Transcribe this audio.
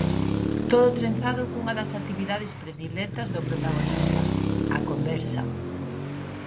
Todo trenzado cunha das "actividades predilectas" do protagonista: a conversa.